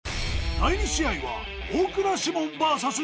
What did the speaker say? ［第２試合は］